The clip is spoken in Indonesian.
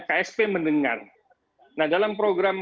ksp mendengar nah dalam program